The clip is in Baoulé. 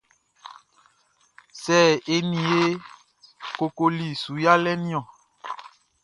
Sɛ e ni i e kokoli su yalɛʼn ni?